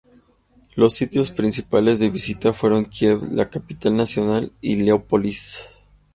Los sitios principales de la visita fueron Kiev, la capital nacional, y Leópolis.